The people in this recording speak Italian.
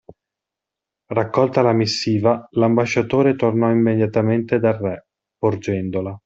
Raccolta la missiva, l’ambasciatore tornò immediatamente dal Re, porgendola.